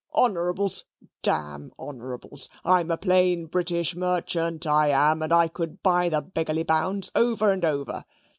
Honourables? Damn Honourables. I am a plain British merchant I am, and could buy the beggarly hounds over and over.